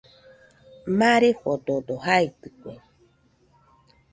Marefododo jaitɨkue